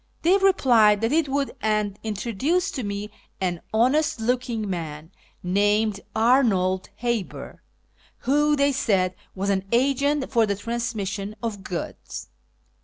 They replied that it would, and introduced to me an honest looking man, named Arnold Haber, who, they said, was an agent for the trans mission of goods.